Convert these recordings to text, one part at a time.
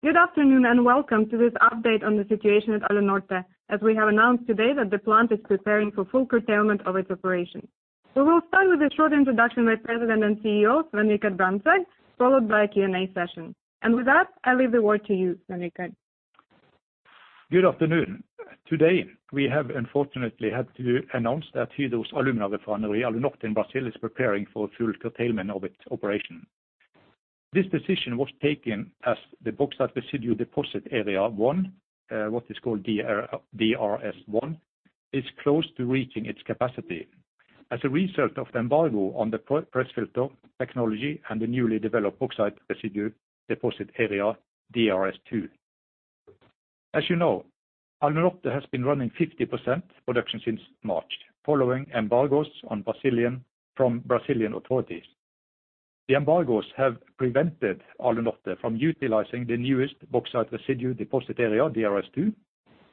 Good afternoon and welcome to this update on the situation at Alunorte. As we have announced today that the plant is preparing for full curtailment of its operation. We will start with a short introduction by President and CEO, Svein Richard Brandtzæg, followed by a Q&A session. With that, I leave the word to you, Svein Richard. Good afternoon. Today, we have unfortunately had to announce that Hydro's alumina refinery, Alunorte in Brazil, is preparing for full curtailment of its operation. This decision was taken as the bauxite residue deposit area 1, what is called DRS1, is close to reaching its capacity as a result of the embargo on the press filter technology and the newly developed bauxite residue deposit area DRS2. As you know, Alunorte has been running 50% production since March following embargoes from Brazilian authorities. The embargoes have prevented Alunorte from utilizing the newest bauxite residue deposit area DRS2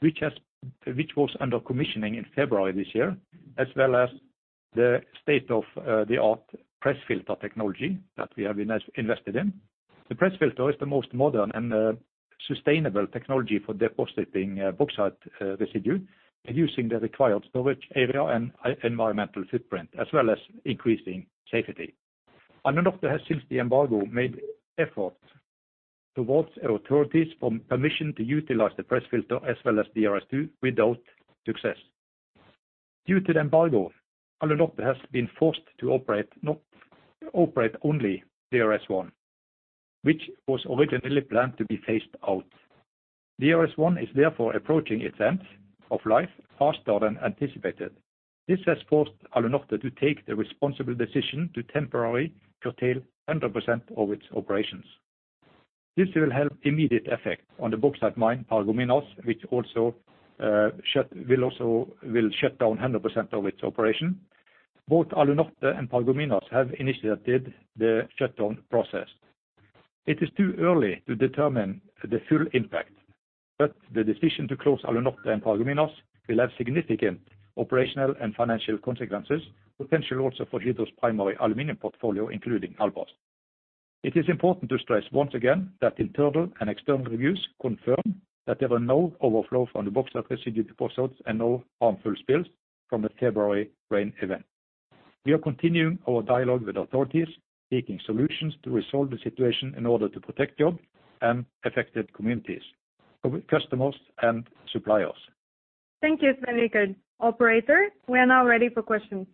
which was under commissioning in February this year, as well as the state of the art press filter technology that we have invested in. The press filter is the most modern and sustainable technology for depositing bauxite residue, reducing the required storage area and environmental footprint, as well as increasing safety. Alunorte has since the embargo made efforts towards authorities from permission to utilize the press filter as well as DRS2 without success. Due to the embargo, Alunorte has been forced to operate only DRS1, which was originally planned to be phased out. DRS1 is therefore approaching its end of life faster than anticipated. This has forced Alunorte to take the responsible decision to temporarily curtail 100% of its operations. This will have immediate effect on the bauxite mine, Paragominas, which also shut down 100% of its operation. Both Alunorte and Paragominas have initiated the shutdown process. It is too early to determine the full impact, but the decision to close Alunorte and Paragominas will have significant operational and financial consequences, potentially also for Hydro's primary aluminum portfolio, including Albras. It is important to stress once again that internal and external reviews confirm that there were no overflow from the bauxite residue deposits and no harmful spills from the February rain event. We are continuing our dialogue with authorities seeking solutions to resolve the situation in order to protect jobs and affected communities, customers, and suppliers. Thank you, Svein Richard. Operator, we are now ready for questions.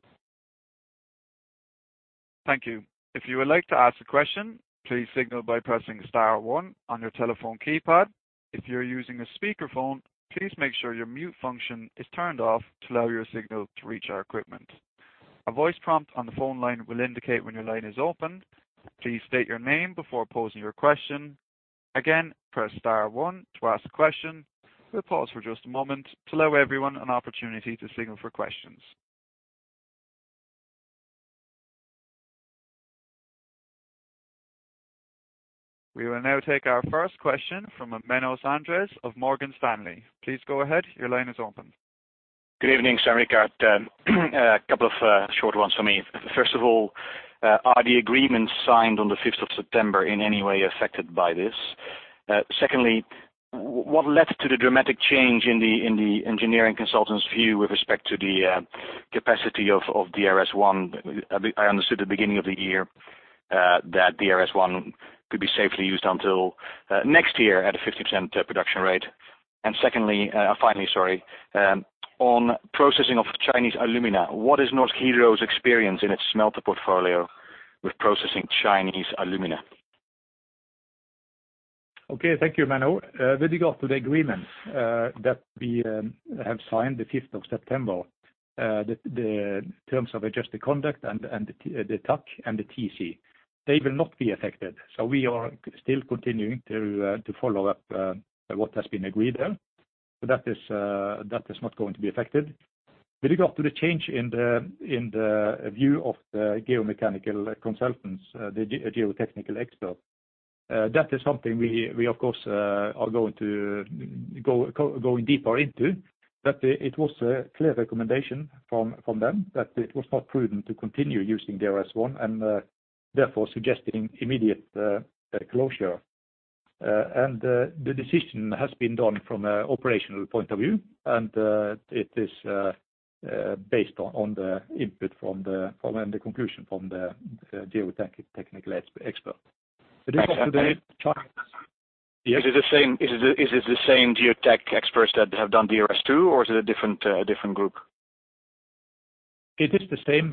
Thank you. If you would like to ask a question, please signal by pressing star one on your telephone keypad. If you're using a speakerphone, please make sure your mute function is turned off to allow your signal to reach our equipment. A voice prompt on the phone line will indicate when your line is open. Please state your name before posing your question. Again, press star one to ask a question. We'll pause for just a moment to allow everyone an opportunity to signal for questions. We will now take our first question from Menno Sanderse of Morgan Stanley. Please go ahead. Your line is open. Good evening, Svein Richard. A couple of short ones for me. First of all, are the agreements signed on the 5th of September in any way affected by this? Secondly, what led to the dramatic change in the engineering consultant's view with respect to the capacity of DRS1? I understood the beginning of the year that DRS1 could be safely used until next year at a 50% production rate. Secondly, finally, sorry. On processing of Chinese alumina, what is Hydro's experience in its smelter portfolio with processing Chinese alumina? Okay, thank you, Menno. With regard to the agreements that we have signed the 5th of September, the terms of adjusted conduct and the TAC and the TC, they will not be affected. We are still continuing to follow up what has been agreed there. That is not going to be affected. With regard to the change in the view of the geomechanical consultants, the geotechnical expert, that is something we of course are going to go deeper into. It was a clear recommendation from them that it was not prudent to continue using DRS1 and therefore suggesting immediate closure. The decision has been done from a operational point of view, and it is based on the input from and the conclusion from the geotechnical expert. Thanks. Yes. Is it the same, is it the same geotech experts that have done DRS2, or is it a different group? It is the same.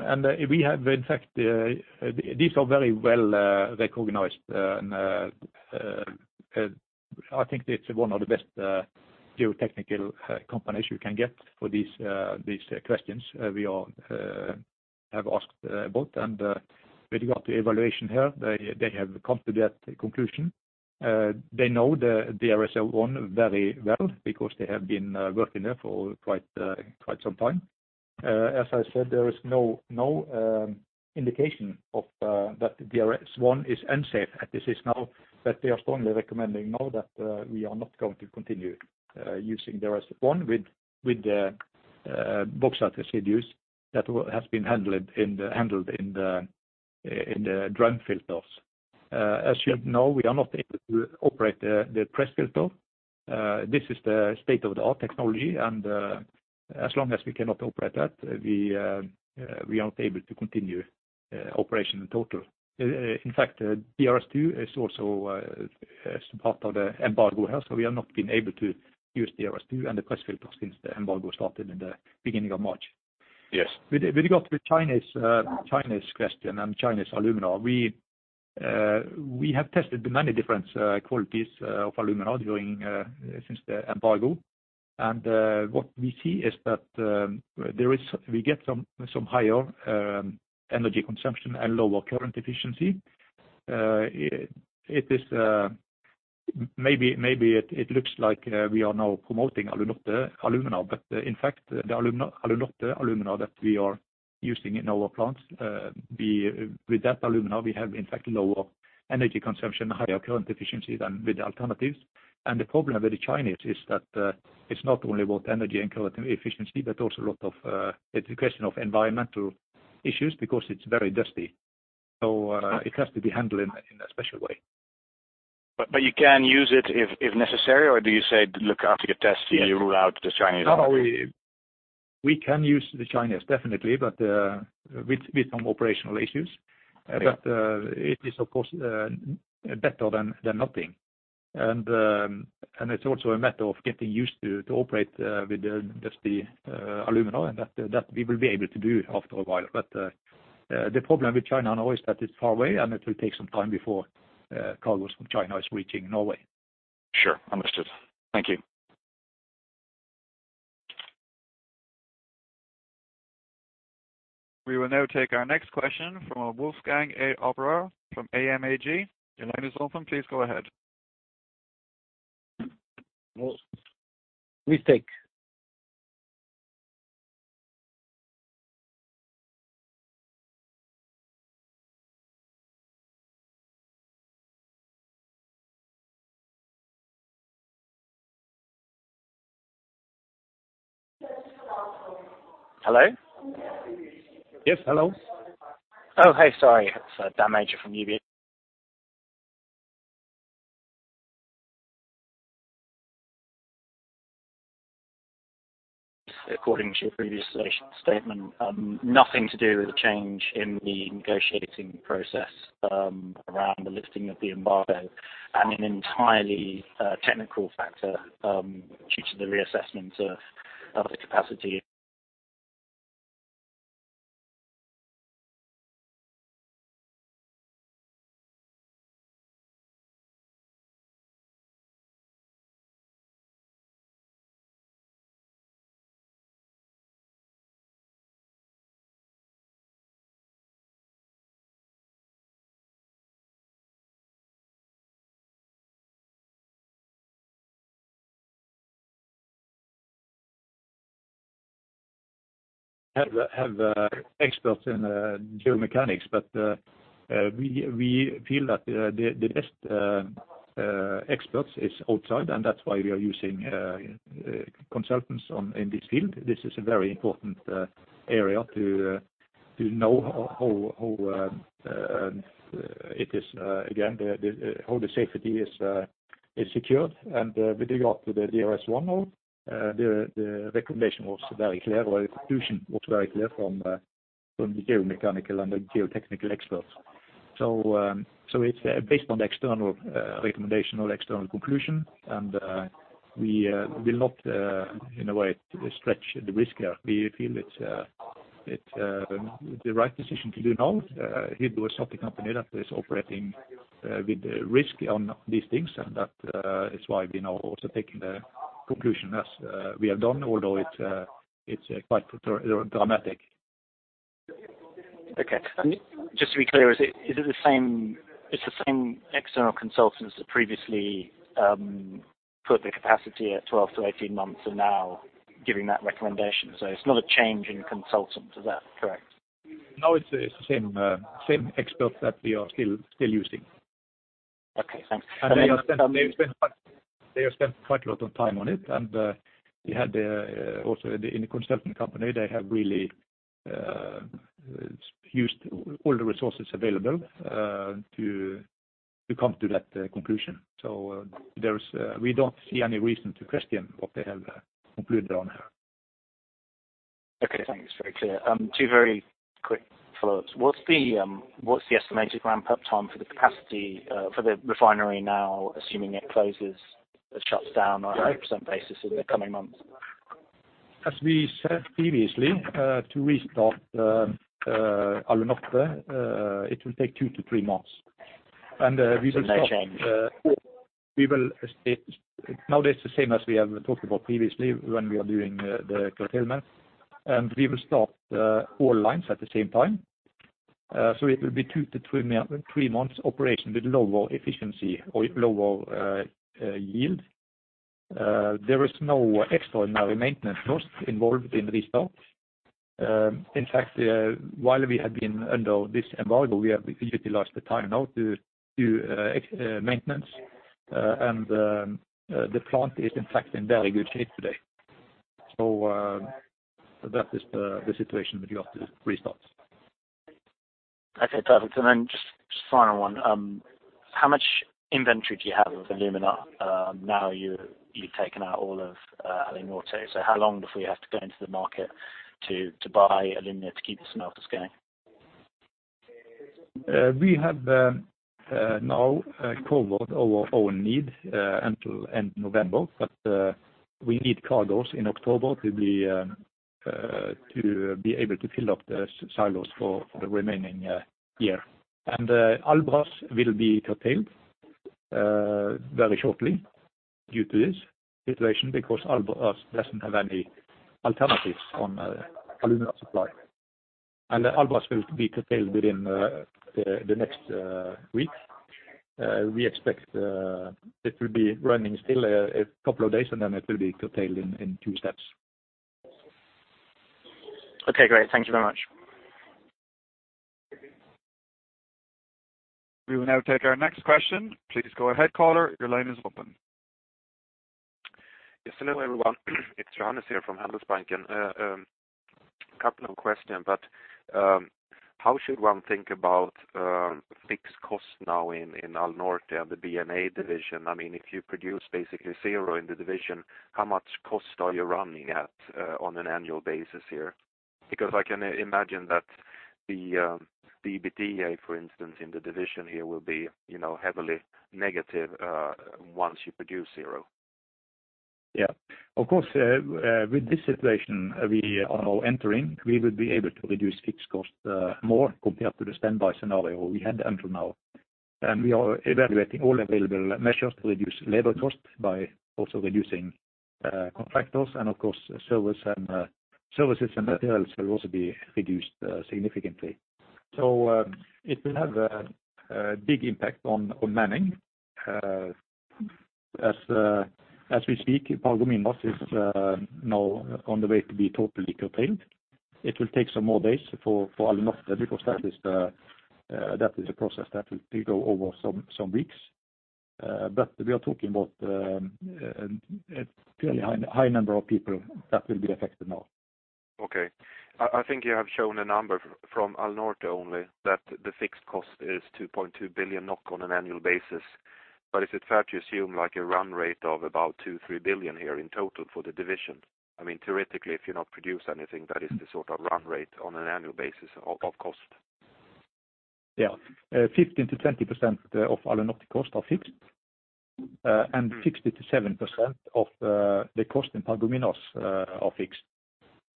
We have in fact, these are very well recognized. I think it's one of the best geotechnical companies you can get for these questions. We all have asked about. With regard to evaluation here, they have come to that conclusion. They know the DRS1 very well because they have been working there for quite some time. As I said, there is no indication of that DRS1 is unsafe. This is now that they are strongly recommending now that we are not going to continue using DRS1 with the bauxite residues that has been handled in the drum filters. As you know, we are not able to operate the press filter. This is the state-of-the-art technology and as long as we cannot operate that, we aren't able to continue operation in total. In fact, the DRS2 is also part of the embargo here, so we have not been able to use DRS2 and the press filter since the embargo started in the beginning of March. Yes. With regard to the Chinese question and Chinese alumina, we have tested many different qualities of alumina during since the embargo. What we see is that we get some higher energy consumption and lower current efficiency. It is maybe it looks like we are now promoting Alunorte alumina. In fact, the Alunorte alumina that we are using in our plants, with that alumina we have in fact lower energy consumption, higher current efficiency than with the alternatives. The problem with the Chinese is that it's not only about energy and current efficiency, but also a lot of it's a question of environmental issues because it's very dusty. It has to be handled in a special way. You can use it if necessary, or do you say look, after your test-? Yes. You rule out the Chinese alumina? No, we can use the Chinese definitely, but with some operational issues. Okay. It is of course, better than nothing. It's also a matter of getting used to operate with the dusty alumina, and that we will be able to do after a while. The problem with China now is that it's far away and it will take some time before cargos from China is reaching Norway. Sure. Understood. Thank you. We will now take our next question from Wolfgang A. Oberer from AMAG. Your line is open. Please go ahead. Mistake. Hello? Yes, hello. Oh, hey, sorry. It's Dan Major from UBS. According to your previous statement, nothing to do with the change in the negotiating process, around the lifting of the embargo and an entirely technical factor, due to the reassessment of the capacity. Have experts in geomechanics. We feel that the best experts is outside, and that's why we are using consultants on, in this field. This is a very important area to know how the safety is secured. With regard to the DRS1 mine, the recommendation was very clear or the conclusion was very clear from the geomechanical and the geotechnical experts. It's based on the external recommendation or external conclusion, and we will not in a way stretch the risk here. We feel it's the right decision to do now. We do a stock company that is operating with risk on these things. That is why we now also taking the conclusion as we have done, although it's quite dramatic. Okay. Just to be clear, It's the same external consultants that previously put the capacity at 12-18 months and now giving that recommendation. It's not a change in consultant. Is that correct? No, it's the same experts that we are still using. Okay. Thanks. They have spent quite a lot of time on it. We had, also in the consulting company, they have really, used all the resources available, to come to that conclusion. There's, we don't see any reason to question what they have concluded on here. Okay. Thanks. Very clear. two very quick follow-ups. What's the, what's the estimated ramp-up time for the capacity, for the refinery now, assuming it closes or shuts down on a 100% basis in the coming months? As we said previously, to restart Alunorte, it will take two to three months. No change? We will stay nowadays the same as we have talked about previously when we are doing the curtailment, and we will start all lines at the same time. It will be two to three month, three months operation with lower efficiency or lower yield. There is no extraordinary maintenance costs involved in the restart. In fact, while we have been under this embargo, we have utilized the time now to do maintenance. The plant is in fact in very good shape today. That is the situation with the office restarts. Okay, perfect. Just final one. How much inventory do you have of alumina, now you've taken out all of Alunorte? How long before you have to go into the market to buy alumina to keep the smelters going? We have now covered our own need until end November. We need cargoes in October to be able to fill up the silos for the remaining year. Albras will be curtailed very shortly due to this situation because Albras doesn't have any alternatives on alumina supply. Albras will be curtailed within the next week. We expect it will be running still a couple of days, and then it will be curtailed in two steps. Okay, great. Thank you very much. We will now take our next question. Please go ahead, caller. Your line is open. Yes, hello, everyone. It's Johannes here from Handelsbanken. A couple of question, how should one think about fixed costs now in Alunorte and the BMA division? I mean, if you produce basically zero in the division, how much cost are you running at on an annual basis here? I can imagine that the EBITDA, for instance, in the division here will be, you know, heavily negative once you produce zero. Yeah. Of course, with this situation we are now entering, we would be able to reduce fixed cost more compared to the standby scenario we had until now. We are evaluating all available measures to reduce labor cost by also reducing contractors and of course, service and services and materials will also be reduced significantly. It will have a big impact on manning. As we speak, Paragominas is now on the way to be totally curtailed. It will take some more days for Alunorte because that is a process that will go over some weeks. We are talking about a fairly high number of people that will be affected now. Okay. I think you have shown a number from Alunorte only that the fixed cost is 2.2 billion NOK on an annual basis. Is it fair to assume like a run rate of about 2 billion-3 billion here in total for the division? I mean, theoretically, if you're not produce anything, that is the sort of run rate on an annual basis of cost. 15%-20% of Alunorte cost are fixed. 60%-70% of the cost in Paragominas are fixed.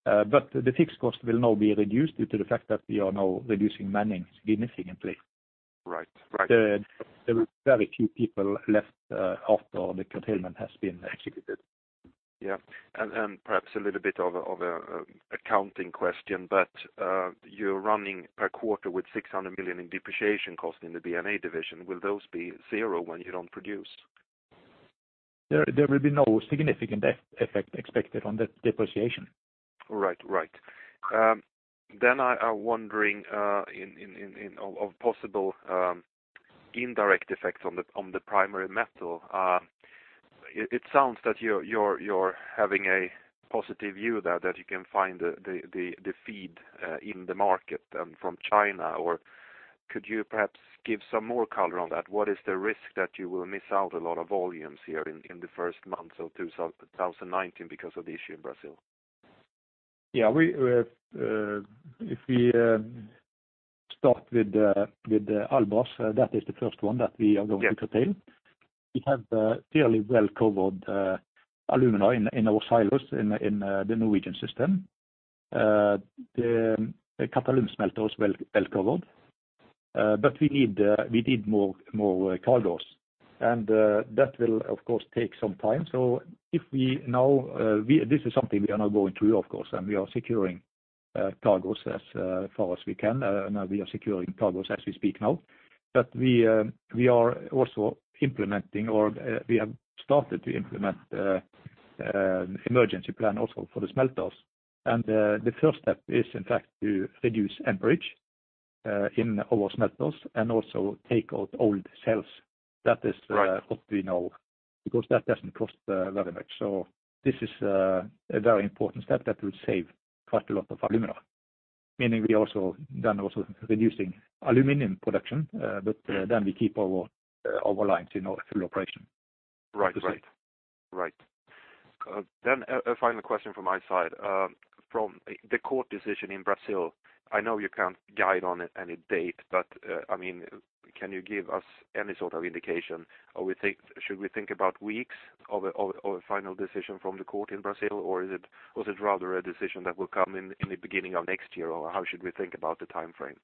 The fixed cost will now be reduced due to the fact that we are now reducing manning significantly. Right. Right. There are very few people left, after the curtailment has been executed. Yeah. Perhaps a little bit of a, of a accounting question, but you're running per quarter with 600 million in depreciation cost in the BMA division. Will those be zero when you don't produce? There will be no significant effect expected on the depreciation. Right. Right. Then I wondering in of possible indirect effects on the primary metal. It sounds that you're having a positive view that you can find the feed in the market and from China. Could you perhaps give some more color on that? What is the risk that you will miss out a lot of volumes here in the first months of 2019 because of the issue in Brazil? If we start with the Albras, that is the first one that we are going to curtail. We have fairly well covered alumina in our silos in the Norwegian system. The Qatalum smelter is well covered. We need more cargoes. That will of course take some time. If we now, this is something we are now going through, of course, and we are securing cargoes as far as we can. Now we are securing cargoes as we speak now. We are also implementing or we have started to implement emergency plan also for the smelters. The first step is in fact to reduce amperage in our smelters and also take out old cells. That. Right What we know, because that doesn't cost very much. This is a very important step that will save quite a lot of alumina, meaning we also then also reducing aluminum production, but then we keep our lines, you know, full operation. Right. Right. Right. A final question from my side. From the court decision in Brazil, I know you can't guide on any date, but, I mean, can you give us any sort of indication? Should we think about weeks of a final decision from the court in Brazil, or is it rather a decision that will come in the beginning of next year, or how should we think about the timeframe?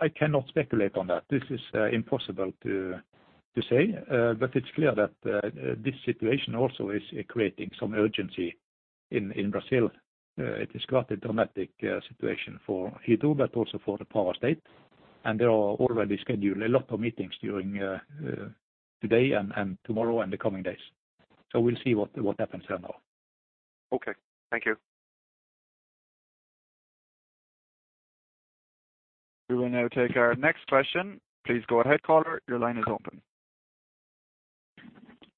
I cannot speculate on that. This is impossible to say. It's clear that this situation also is creating some urgency in Brazil. It is quite a dramatic situation for Hydro, but also for the power state. There are already scheduled a lot of meetings during today and tomorrow and the coming days. We'll see what happens there now. Okay. Thank you. We will now take our next question. Please go ahead caller. Your line is open.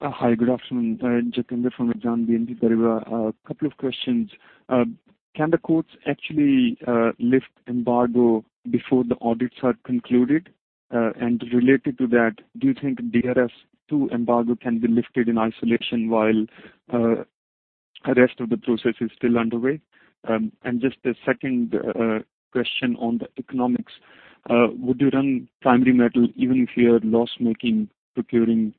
Hi, good afternoon. Jatinder from Exane BNP Paribas. A couple of questions. Can the courts actually lift embargo before the audits are concluded? Related to that, do you think DRS2 embargo can be lifted in isolation while rest of the process is still underway? Just a second question on the economics. Would you run primary metal even if you're loss making procuring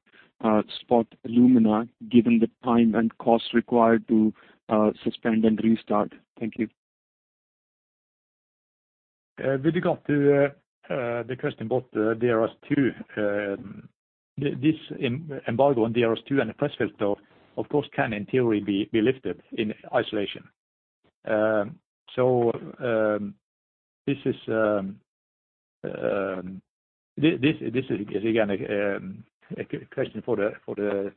spot alumina given the time and cost required to suspend and restart? Thank you. With regard to the question about DRS 2, this embargo on DRS 2 and press filter, of course, can in theory, be lifted in isolation. This is again a question for the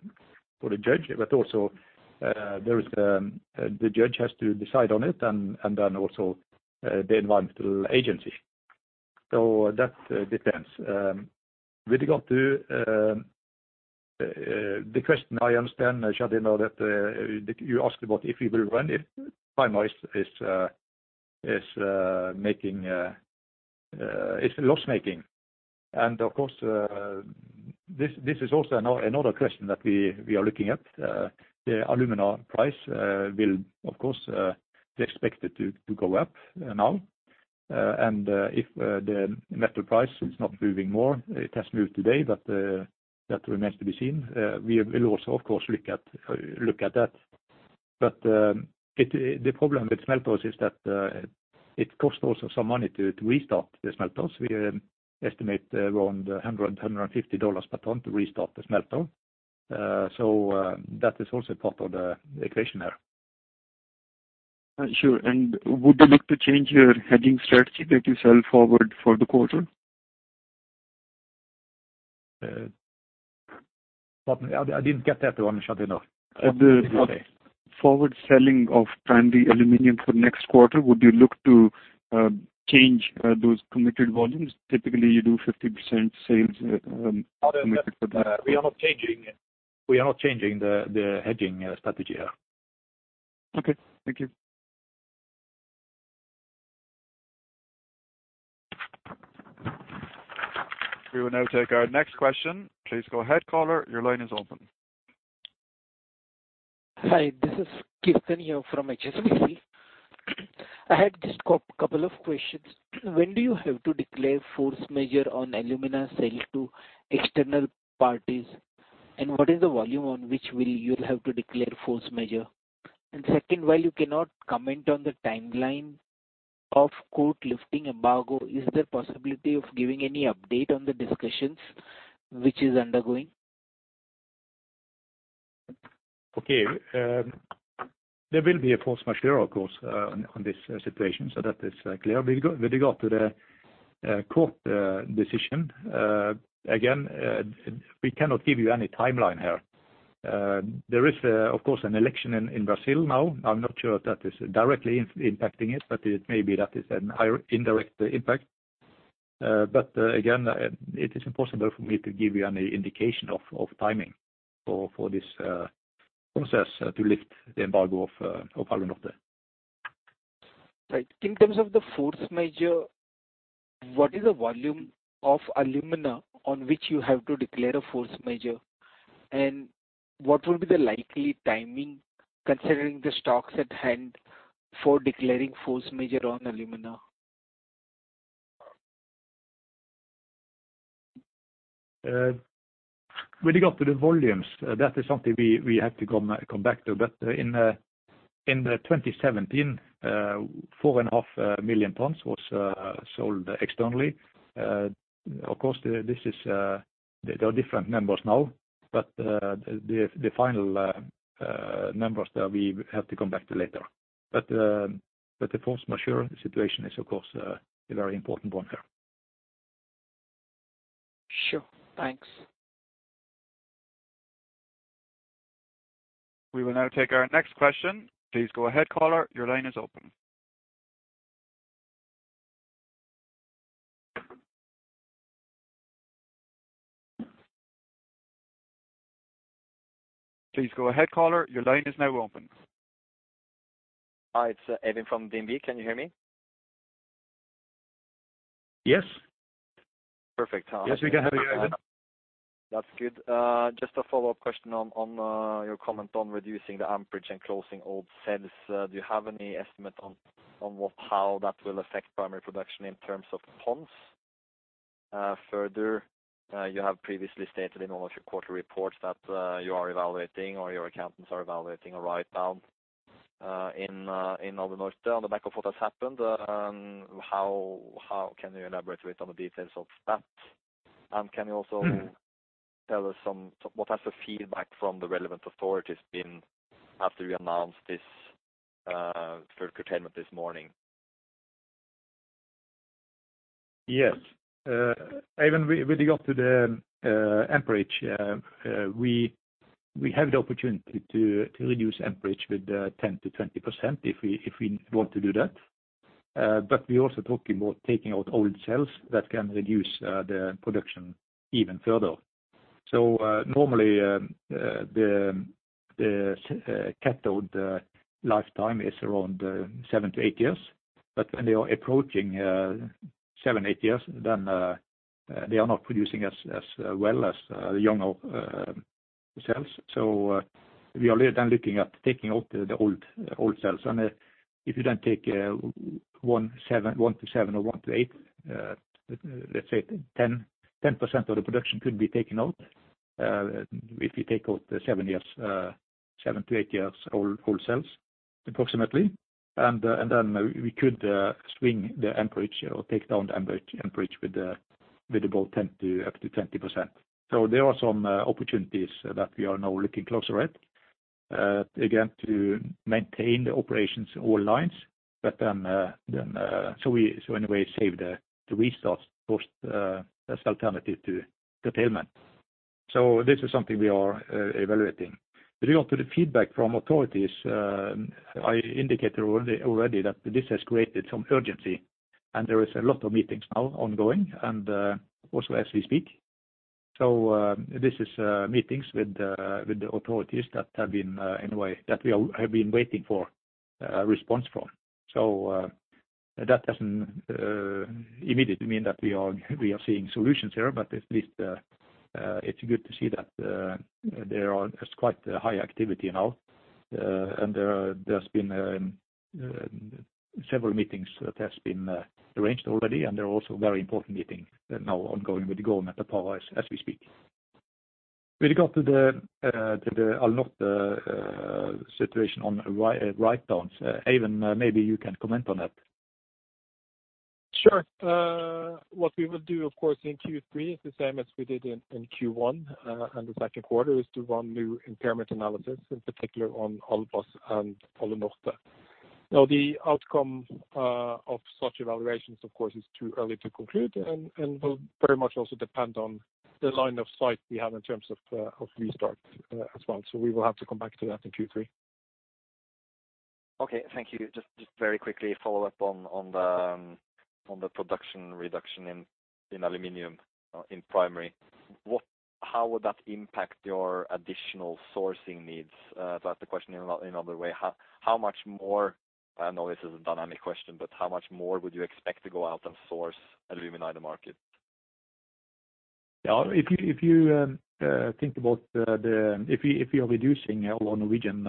judge, but also there is the judge has to decide on it and then also the environmental agency. That depends. With regard to the question I understand, Jatinder, that you asked about if we will run it, primary is loss making. Of course, this is also another question that we are looking at. The alumina price will of course be expected to go up now. If the metal price is not moving more, it has moved today, but that remains to be seen. We will also, of course, look at that. The problem with smelters is that it costs also some money to restart the smelters. We estimate around $100-$150 per ton to restart the smelter. That is also part of the equation there. Sure. Would you look to change your hedging strategy that you sell forward for the quarter? pardon me. I didn't get that one, Jatinder. The forward selling of primary aluminum for next quarter, would you look to change those committed volumes? Typically, you do 50% sales. We are not changing the hedging strategy here. Okay. Thank you. We will now take our next question. Please go ahead, caller. Your line is open. Hi, this is Kirtania from HSBC. I had just couple of questions. When do you have to declare force majeure on alumina sale to external parties? What is the volume on which will you'll have to declare force majeure? Second, while you cannot comment on the timeline of court lifting embargo, is there possibility of giving any update on the discussions which is undergoing? There will be a force majeure, of course, on this situation so that is clear. With regard to the court decision, again, we cannot give you any timeline here. There is, of course, an election in Brazil now. I'm not sure if that is directly impacting it, but it may be that is an indirect impact. Again, it is impossible for me to give you any indication of timing for this process to lift the embargo of Alunorte. Right. In terms of the force majeure, what is the volume of alumina on which you have to declare a force majeure? What will be the likely timing considering the stocks at hand for declaring force majeure on alumina? With regard to the volumes, that is something we have to come back to. In 2017, 4.5 million tons was sold externally. Of course, this is there are different numbers now, the final numbers that we have to come back to later. The force majeure situation is of course a very important one here. Sure. Thanks. We will now take our next question. Please go ahead, caller. Your line is open. Please go ahead, caller. Your line is now open. Hi, it's Evan from DNB. Can you hear me? Yes. Perfect. Yes, we can hear you, Evan. That's good. Just a follow-up question on your comment on reducing the amperage and closing old cells. Do you have any estimate on how that will affect primary production in terms of tons? You have previously stated in one of your quarter reports that you are evaluating or your accountants are evaluating a write down in Alunorte on the back of what has happened. How can you elaborate with on the details of that? Mm. What has the feedback from the relevant authorities been after you announced this curtailment this morning? Yes. Evan, with regard to the amperage, We have the opportunity to reduce amperage with 10%-20% if we want to do that. We're also talking about taking out old cells that can reduce the production even further. Normally, the cathode lifetime is around seven to eight years. When they are approaching seven, eight years, they are not producing as well as younger cells. We are then looking at taking out the old cells. If you don't take one to seven or one to eight, let's say 10% of the production could be taken out if you take out the seven years, seven to eight years old cells, approximately. Then we could swing the amperage or take down the amperage with about 10% to up to 20%. There are some opportunities that we are now looking closer at again, to maintain the operations or lines. Anyway, save the resource cost as alternative to the payment. This is something we are evaluating. With regard to the feedback from authorities, I indicated already that this has created some urgency, and there is a lot of meetings now ongoing and also as we speak. This is meetings with the authorities that have been in a way that we have been waiting for response from. That doesn't immediately mean that we are seeing solutions here, but at least it's good to see that there are just quite a high activity now. There, there's been several meetings that has been arranged already, and there are also very important meeting now ongoing with the government authorities as we speak. With regard to the a lot situation on write downs, Eivind, maybe you can comment on that. Sure. What we will do, of course, in Q3 is the same as we did in Q1, and the second quarter, is to run new impairment analysis, in particular on Albras and Paragominas. Now, the outcome of such evaluations, of course, is too early to conclude and will very much also depend on the line of sight we have in terms of restart as well. We will have to come back to that in Q3. Okay. Thank you. Just very quickly follow up on the production reduction in aluminum in primary. How would that impact your additional sourcing needs? To ask the question in other way, I know this is a dynamic question, but how much more would you expect to go out and source alumina in the market? Yeah. If you think about the... If you're reducing our Norwegian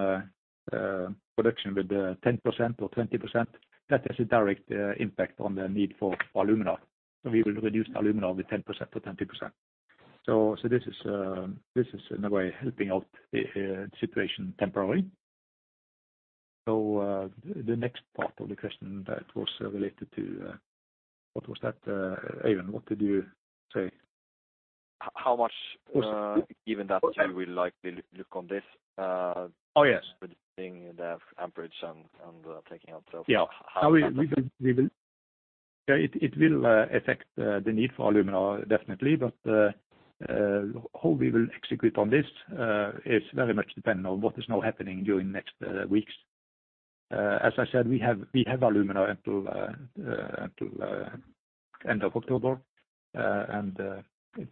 production with 10% or 20%, that has a direct impact on the need for alumina. We will reduce alumina with 10%-20%. This is in a way helping out the situation temporarily. The next part of the question that was related to... What was that, Eivind? What did you say? How much, Eivind, that you will likely look on this? Oh, yes. Reducing the amperage and taking out cells. Yeah. How much- We will. Yeah, it will affect the need for alumina, definitely. How we will execute on this is very much dependent on what is now happening during next weeks. As I said, we have alumina until end of October, and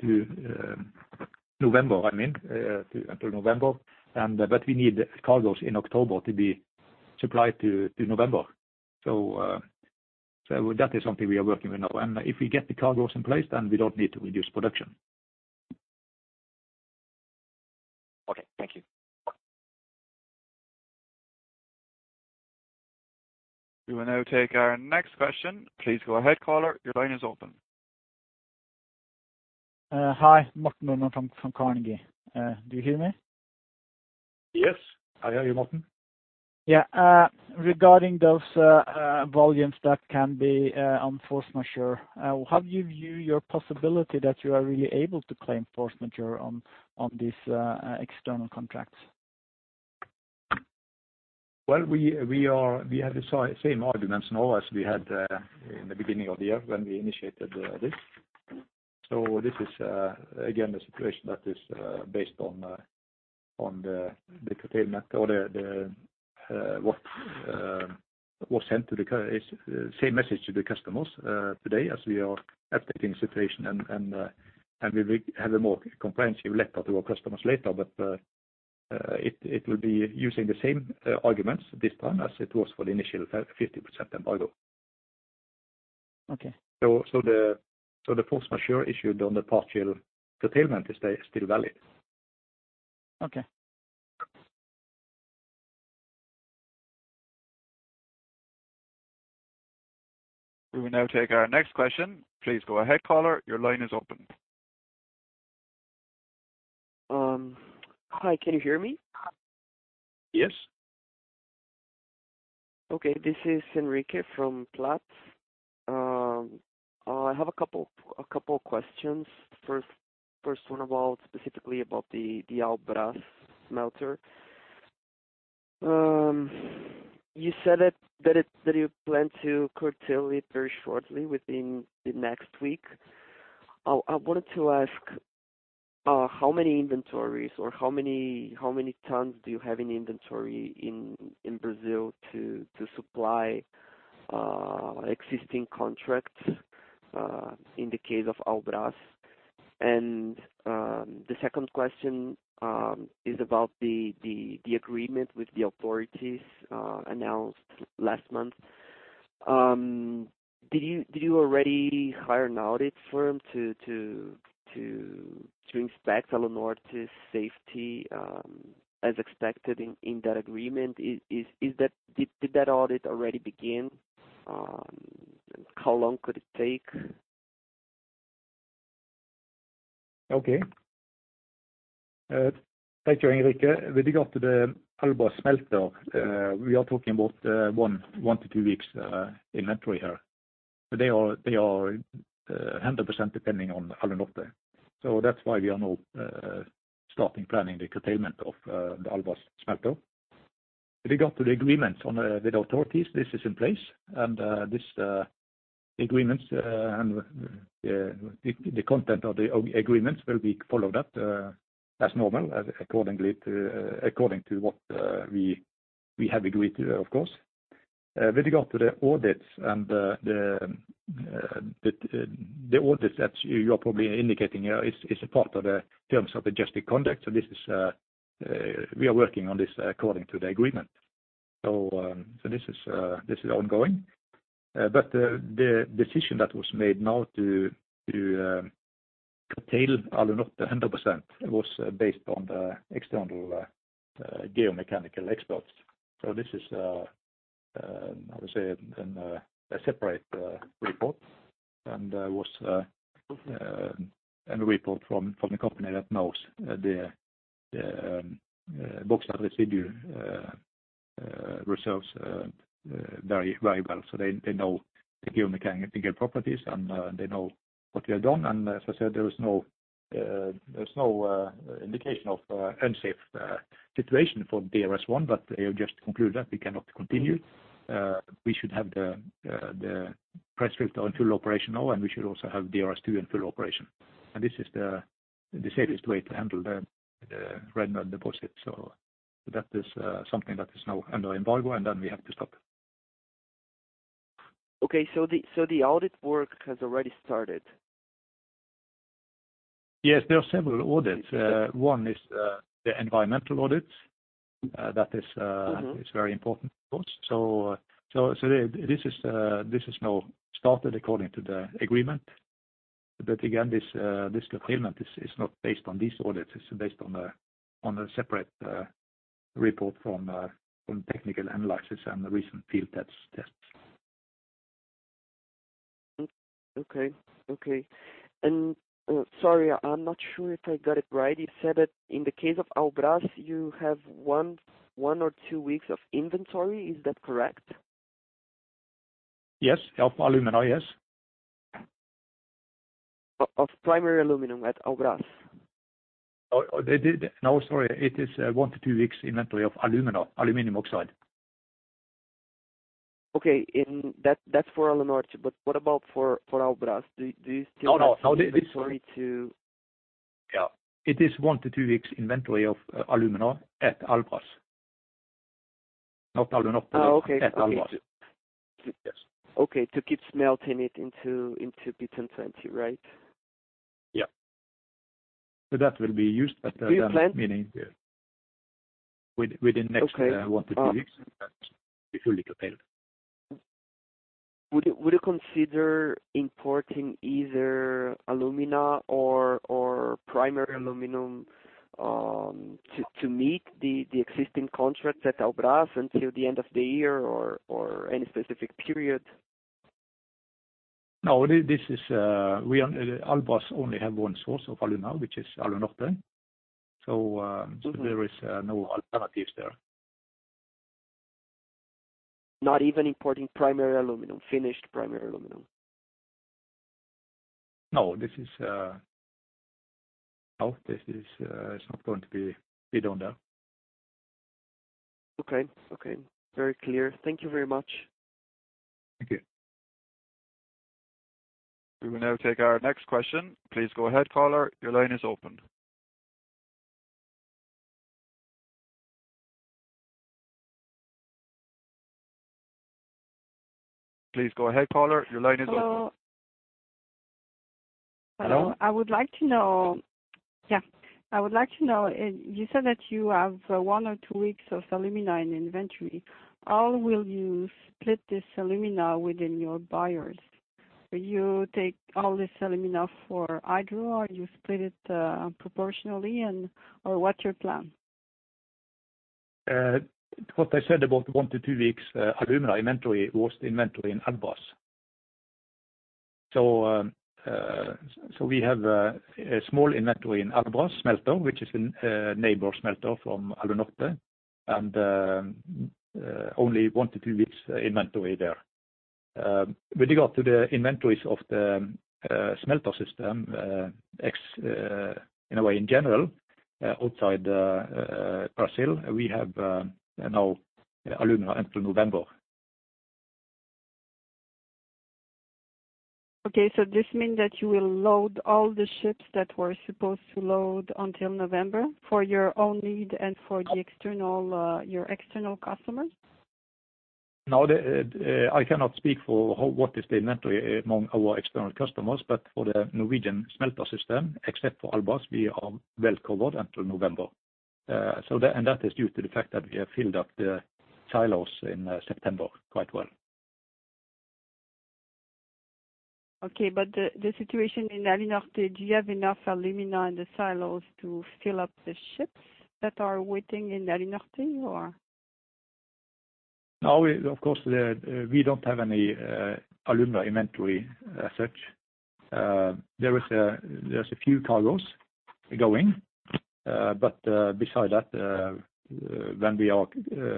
to November, I mean, until November. We need cargoes in October to be supplied to November. That is something we are working with now. If we get the cargoes in place, then we don't need to reduce production. Okay. Thank you. We will now take our next question. Please go ahead, caller. Your line is open. Hi. Martin Norn from Carnegie. Do you hear me? Yes, I hear you, Martin. Yeah. Regarding those, volumes that can be, on force majeure, how do you view your possibility that you are really able to claim force majeure on these, external contracts? Well, we have the same arguments now as we had in the beginning of the year when we initiated this. This is again, the situation that is based on the curtailment or the what's sent to the. It's the same message to the customers today as we are updating situation and we will have a more comprehensive letter to our customers later. It will be using the same arguments this time as it was for the initial 50% embargo. Okay. The force majeure issued on the partial curtailment is still valid. Okay. We will now take our next question. Please go ahead, caller. Your line is open. Hi. Can you hear me? Yes. Okay. This is Enrique from Platts. I have a couple questions. First one about specifically about the Albras smelter. You said that it, that you plan to curtail it very shortly within the next week. I wanted to ask how many inventories or how many tons do you have in inventory in Brazil to supply existing contracts in the case of Albras? The second question is about the agreement with the authorities announced last month. Did you already hire an audit firm to inspect Alunorte's safety as expected in that agreement? Did that audit already begin? How long could it take? Thank you, Enrique. With regard to the Albras smelter, we are talking about one to two weeks inventory here. They are 100% depending on Alunorte. That's why we are now starting planning the curtailment of the Albras smelter. With regard to the agreement on the with authorities, this is in place, and this agreements and the content of the agreements will be followed up as normal as according to what we have agreed to, of course. With regard to the audits and the audits that you are probably indicating here is a part of the terms of the adjusted contract. This is we are working on this according to the agreement. This is ongoing. But the decision that was made now to curtail Alunorte hundred percent was based on the external geomechanical experts. This is I would say a separate report and was an report from a company that knows the bauxite residue reserves very, very well. They know the geomechanical properties, and they know what they have done. And as I said, there is no, there's no indication of a unsafe situation for DRS1, but they have just concluded that we cannot continue. We should have the press filter on full operation now, and we should also have DRS2 in full operation. This is the safest way to handle the red mud deposit. That is something that is now under embargo, and then we have to stop it. Okay. The audit work has already started? Yes, there are several audits. One is the environmental audit, that is... Mm-hmm ...is very important, of course. This is now started according to the agreement. Again, this curtailment is not based on these audits. It's based on a, on a separate report from technical analysis and the recent field tests. Okay. Okay. Sorry, I'm not sure if I got it right. You said that in the case of Albras, you have one or two weeks of inventory. Is that correct? Yes. Of alumina, yes. Of primary aluminum at Albras. Oh, they did. No, sorry. It is one to two weeks inventory of alumina, aluminum oxide. Okay. That's for Alunorte. What about for Albras? Do you still have? No. This is- ...inventory. Yeah. It is one to two weeks inventory of alumina at Albras. Not Alunorte. Oh, okay. At Albras. Okay. Yes. Okay. To keep smelting it into billet fancy, right? Yeah. that will be used at. Do you Meaning within next- Okay. One to two weeks, that will be fully curtailed. Would you consider importing either alumina or primary aluminum to meet the existing contracts at Albras until the end of the year or any specific period? No, this is Albras only have one source of alumina, which is Alunorte. Mm-hmm There is no alternatives there. Not even importing primary aluminum, finished primary aluminum? No, this is, it's not going to be done now. Okay. Okay. Very clear. Thank you very much. Thank you. We will now take our next question. Please go ahead, caller, your line is open. Hello? Hello? I would like to know. Yeah. I would like to know, you said that you have one or two weeks of alumina in inventory. How will you split this alumina within your buyers? Will you take all this alumina for Hydro, or you split it proportionally and or what's your plan? What I said about one to two weeks, alumina inventory was the inventory in Albras. We have a small inventory in Albras smelter, which is in neighbor smelter from Alunorte, and only one to two weeks inventory there. With regard to the inventories of the smelter system, in a way in general, outside the Brazil, we have now alumina until November. Okay. This mean that you will load all the ships that were supposed to load until November for your own need and for the external, your external customers? No. The, I cannot speak for what is the inventory among our external customers, but for the Norwegian smelter system, except for Albras, we are well covered until November. That is due to the fact that we have filled up the silos in September quite well. Okay. The situation in Alunorte, do you have enough alumina in the silos to fill up the ships that are waiting in Alunorte or? Now of course the, we don't have any alumina inventory as such. There is a, there's a few cargos going, but beside that, when we are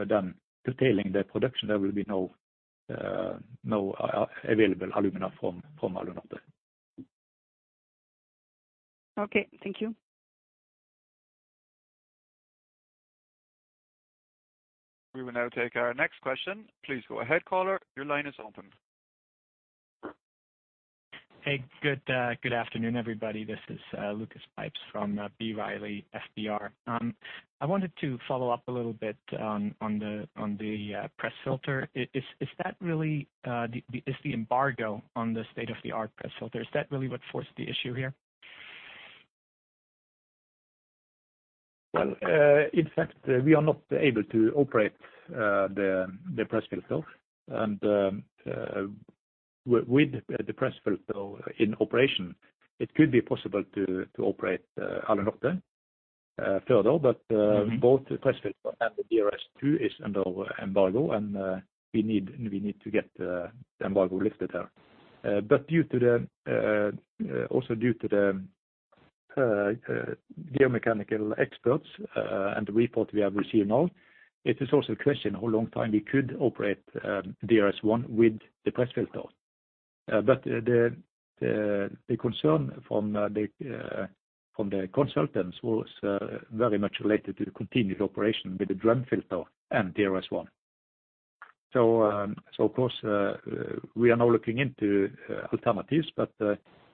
done curtailing the production, there will be no available alumina from Alunorte. Okay, thank you. We will now take our next question. Please go ahead, caller. Your line is open. Hey, good afternoon, everybody. This is Lucas Pipes from B. Riley FBR. I wanted to follow up a little bit on the press filter. Is that really the embargo on the state-of-the-art press filter, is that really what forced the issue here? Well, in fact, we are not able to operate the press filter. With the press filter in operation, it could be possible to operate Alunorte further. Mm-hmm. Both the press filter and the DRS2 is under embargo. We need to get the embargo lifted there. Due to the also due to the geomechanical exploits and the report we have received now, it is also a question how long time we could operate DRS1 with the press filter. The concern from the from the consultants was very much related to the continued operation with the drum filter and DRS1. Of course, we are now looking into alternatives,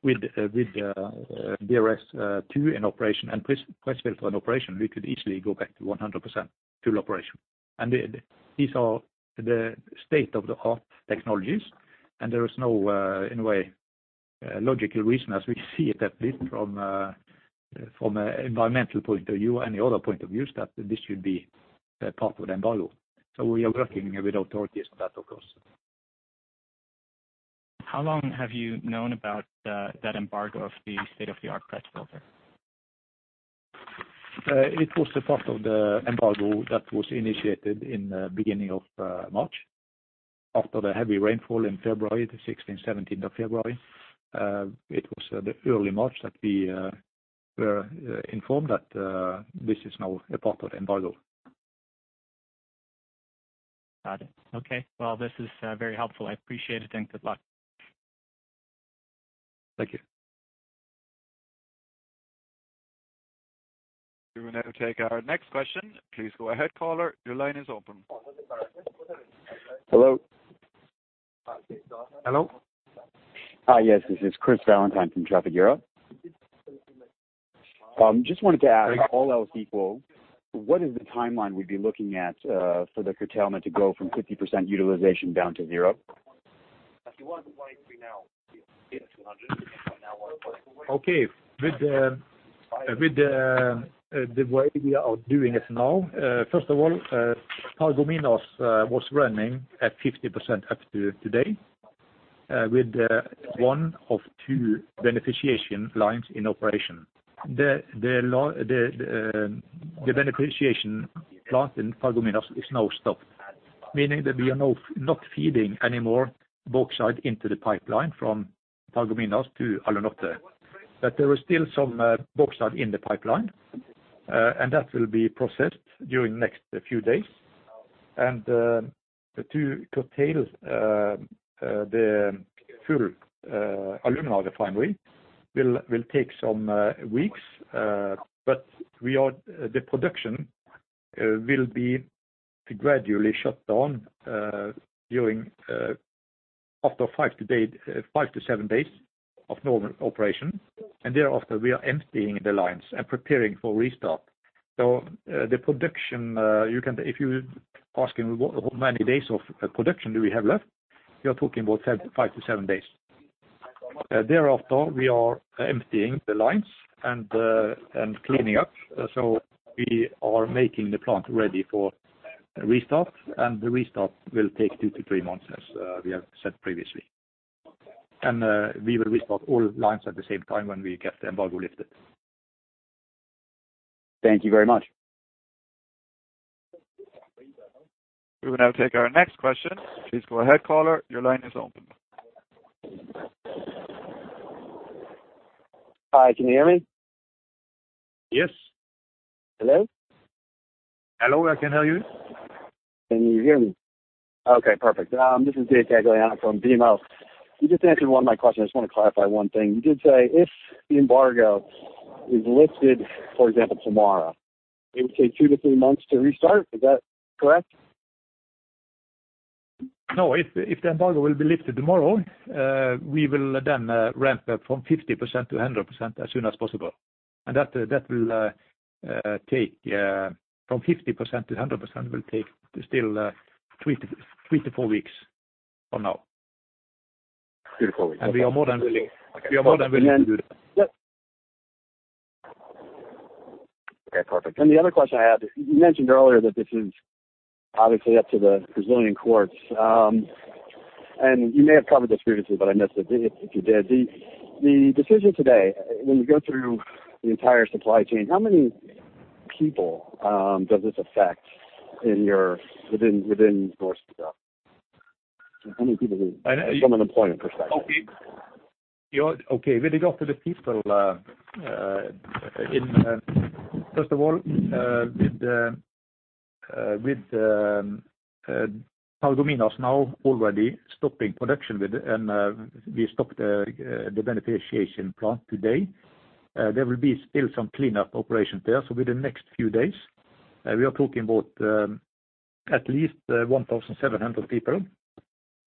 with DRS2 in operation and press filter in operation, we could easily go back to 100% full operation. These are the state-of-the-art technologies, and there is no, in a way, logical reason as we see it at least from a environmental point of view or any other point of views that this should be part of the embargo. We are working with authorities on that, of course. How long have you known about that embargo of the state-of-the-art press filter? It was a part of the embargo that was initiated in beginning of March after the heavy rainfall in February, the 16th, 17th of February. It was the early March that we were informed that this is now a part of the embargo. Got it. Okay. This is very helpful. I appreciate it. Thanks. Good luck. Thank you. We will now take our next question. Please go ahead, caller. Your line is open. Hello? Hello. Hi. Yes, this is Chris Valentine from Trafigura. Just wanted to ask. Hi. All else equal, what is the timeline we'd be looking at for the curtailment to go from 50% utilization down to zero? Okay. With the way we are doing it now, first of all, Paragominas was running at 50% up to today, with one of two beneficiation lines in operation. The beneficiation plant in Paragominas is now stopped, meaning that we are now not feeding any more bauxite into the pipeline from Paragominas to Alunorte. There is still some bauxite in the pipeline, and that will be processed during next few days. To curtail the full alumina refinery will take some weeks. The production will be gradually shut down during after five to seven days of normal operation. Thereafter, we are emptying the lines and preparing for restart. The production, you can... If you asking how many days of production do we have left, we are talking about five to seven days. Thereafter, we are emptying the lines and cleaning up. We are making the plant ready for restart, and the restart will take two to three months as we have said previously. We will restart all lines at the same time when we get the embargo lifted. Thank you very much. We will now take our next question. Please go ahead, caller. Your line is open. Hi, can you hear me? Yes. Hello? Hello, I can hear you. Can you hear me? Okay, perfect. This is David Gagliano from BMO. You just answered one of my questions. I just want to clarify one thing. You did say if the embargo is lifted, for example, tomorrow, it would take two to three months to restart. Is that correct? No. If the embargo will be lifted tomorrow, we will let them ramp up from 50%-100% as soon as possible. That will take from 50%-100% will take still three to four weeks from now. Three to four weeks. We are more than willing. Okay. We are more than willing to do that. Okay. Perfect. The other question I had, you mentioned earlier that this is obviously up to the Brazilian courts. You may have covered this previously, but I missed it if you did. The decision today, when you go through the entire supply chain, how many people does this affect within your stuff? How many people from an employment perspective? Okay. With regard to the people, in, first of all, with the, with Paragominas now already stopping production and we stopped the beneficiation plant today. There will be still some cleanup operations there. Within the next few days, we are talking about at least 1,700 people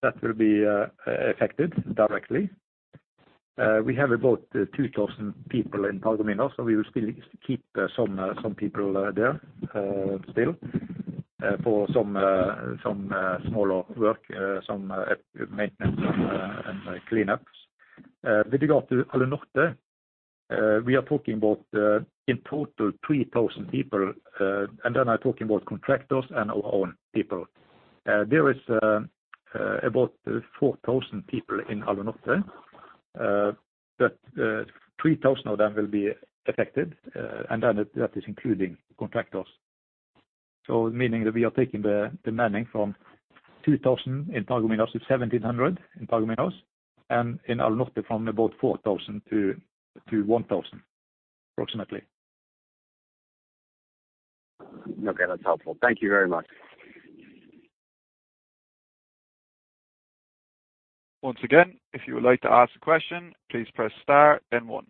that will be affected directly. We have about 2,000 people in Paragominas, so we will still keep some people there, still for some smaller work, some maintenance and cleanups. With regard to Alunorte, we are talking about in total 3,000 people, then I'm talking about contractors and our own people. There is about 4,000 people in Alunorte. 3,000 of them will be affected. That is including contractors. We are taking the manning from 2,000 in Paragominas to 1,700 in Paragominas and in Alunorte from about 4,000-1,000, approximately. Okay. That's helpful. Thank you very much. Once again, if you would like to ask a question, please press star then 1.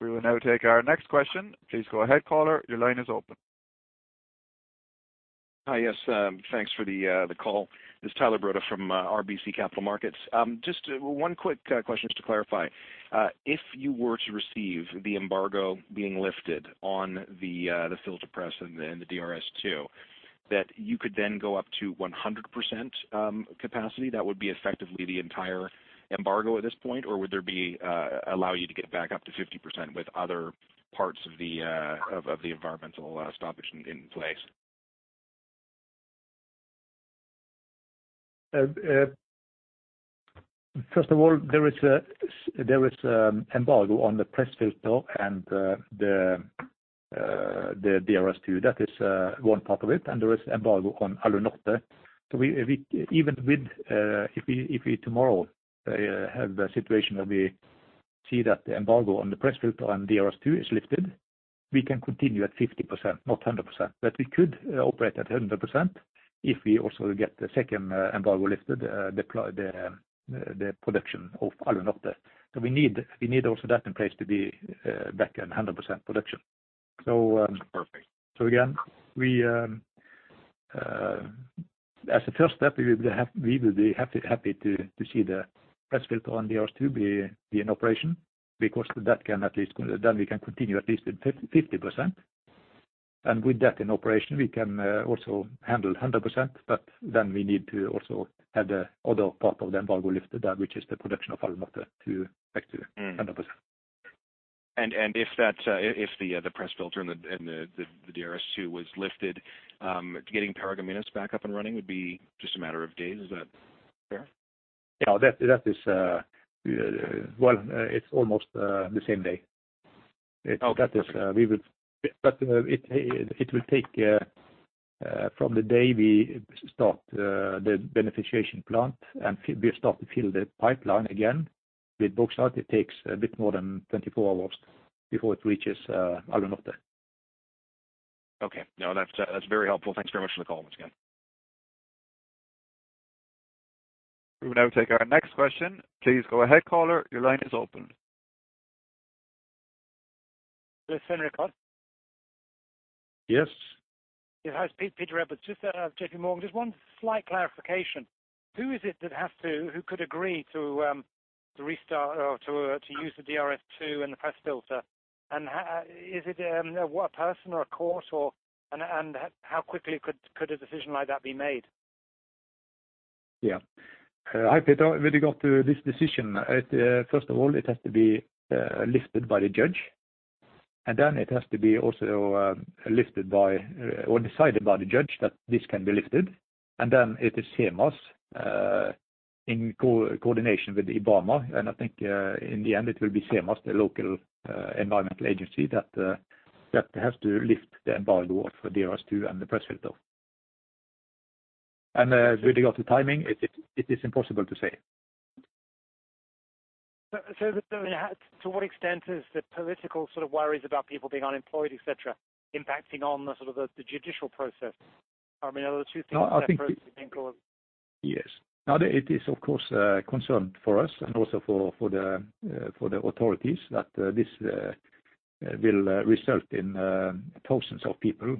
We will now take our next question. Please go ahead, caller. Your line is open. Hi. Yes, thanks for the call. This is Tyler Broda from RBC Capital Markets. Just one quick question just to clarify. If you were to receive the embargo being lifted on the filter press and the DRS2, that you could then go up to 100% capacity, that would be effectively the entire embargo at this point? Would there be allow you to get back up to 50% with other parts of the environmental stoppage in place? First of all, there is embargo on the press filter and the DRS II. That is one part of it, and there is embargo on Alunorte. Even with if we tomorrow have a situation where we see that the embargo on the press filter and DRS2 is lifted, we can continue at 50%, not 100%. We could operate at 100% if we also get the second embargo lifted, the production of Alunorte. We need also that in place to be back at 100% production. Perfect. Again, we, as a first step, we will be happy to see the press filter on DRS II be in operation because that can at least. We can continue at least at 50%. With that in operation, we can also handle 100%. We need to also have the other part of the embargo lifted, that which is the production of Alunorte to back to 100%. If that, if the press filter and the DRS2 was lifted, getting Paragominas back up and running would be just a matter of days. Is that fair? Yeah. That is well, it's almost the same day. Okay. That is, it will take, from the day we start, the beneficiation plant and we start to fill the pipeline again with bauxite, it takes a bit more than 24 hours before it reaches Alunorte. Okay. No. That's very helpful. Thanks very much for the call once again. We will now take our next question. Please go ahead, caller. Your line is open. Svein Richard. Yes. It's Patrick Jones, just out of JPMorgan. Just one slight clarification. Who is it that has to who could agree to restart or to use the DRS 2 and the press filter? How is it, what person or a court or... How quickly could a decision like that be made? Yeah. Hi, Patrick. With regard to this decision, first of all, it has to be lifted by the judge, and then it has to be also lifted by or decided by the judge that this can be lifted. It is SEMAS in coordination with IBAMA, and I think in the end, it will be SEMAS, the local environmental agency, that has to lift the embargo for DRS 2 and the press filter. With regard to timing, it is impossible to say. To what extent is the political sort of worries about people being unemployed, et cetera, impacting on the sort of the judicial process? I mean, are the two things separately influenced? Yes. It is, of course, concern for us and also for the authorities that this will result in thousands of people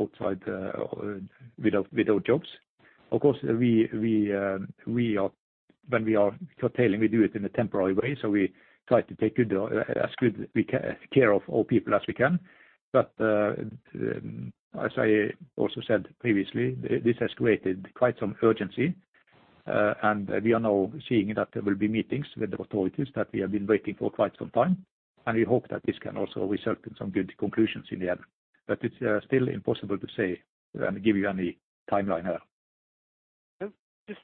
outside without jobs. Of course, when we are curtailing, we do it in a temporary way, so we try to take good, as good care of all people as we can. As I also said previously, this has created quite some urgency, and we are now seeing that there will be meetings with the authorities that we have been waiting for quite some time, and we hope that this can also result in some good conclusions in the end. It's still impossible to say and give you any timeline now.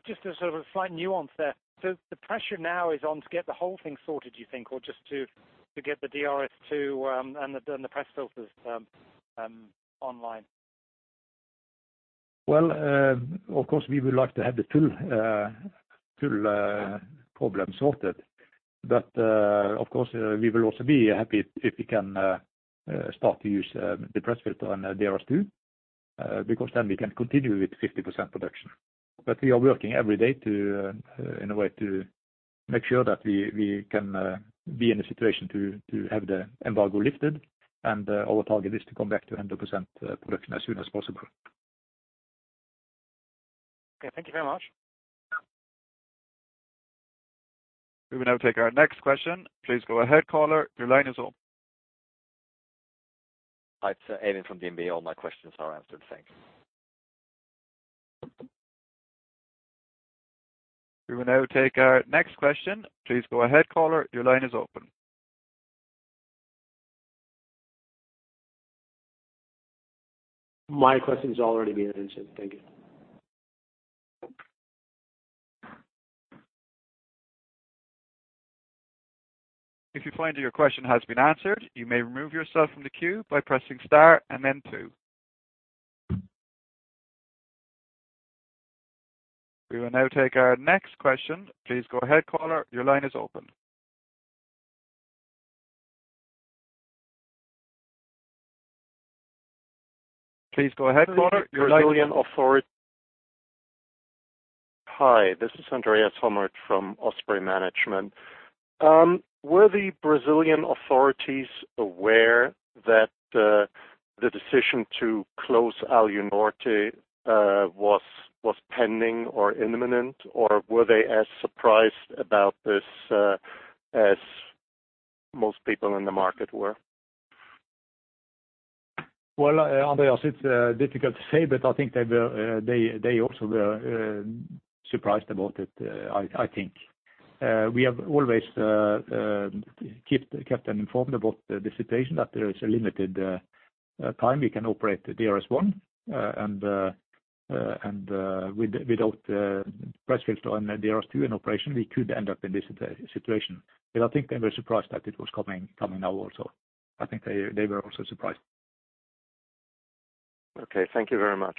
Just a sort of a slight nuance there. The pressure now is on to get the whole thing sorted, do you think, or just to get the DRS2 and the press filters online? Of course, we would like to have the full problem sorted. Of course, we will also be happy if we can start to use the press filter and DRS2 because then we can continue with 50% production. We are working every day to in a way to make sure that we can be in a situation to have the embargo lifted, and our target is to come back to 100% production as soon as possible. Okay. Thank you very much. We will now take our next question. Please go ahead, caller. Your line is open. It's Aiden from DNB. All my questions are answered. Thank you. We will now take our next question. Please go ahead, caller. Your line is open. My question's already been answered. Thank you. If you find that your question has been answered, you may remove yourself from the queue by pressing star and then two. We will now take our next question. Please go ahead, caller. Your line is open. Please go ahead, caller. Your line is- Hi, this is Andreas Hommert from Ospraie Management. Were the Brazilian authorities aware that the decision to close Alunorte was pending or imminent, or were they as surprised about this as most people in the market were? Andreas, it's difficult to say, but I think they also were surprised about it, I think. We have always kept them informed about the situation that there is a limited time we can operate DRS1, and without press filter on DRS2 in operation we could end up in this situation. I think they were surprised that it was coming now also. I think they were also surprised. Okay. Thank you very much.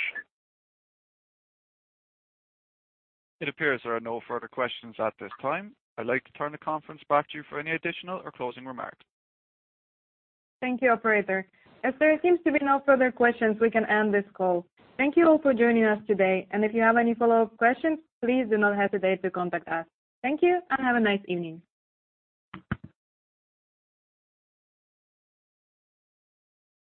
It appears there are no further questions at this time. I'd like to turn the conference back to you for any additional or closing remarks. Thank you, Operator. As there seems to be no further questions, we can end this call. Thank you all for joining us today. If you have any follow-up questions, please do not hesitate to contact us. Thank you, and have a nice evening.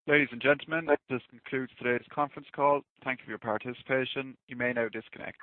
Ladies and gentlemen, this concludes today's conference call. Thank you for your participation. You may now disconnect.